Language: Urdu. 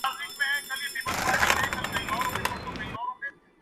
ریکارڈ کی ایجنسی کے طور پر نامزد کِیا